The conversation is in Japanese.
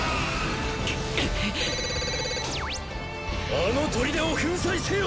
あの砦を粉砕せよ！